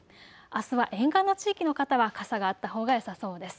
あすは沿岸の地域の方は傘があったほうがよさそうです。